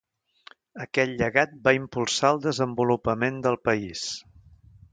Aquest llegat va impulsar el desenvolupament del país.